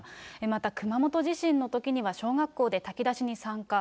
また、熊本地震のときには、小学校で炊き出しに参加。